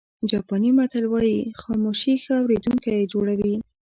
جاپاني متل وایي خاموشي ښه اورېدونکی جوړوي.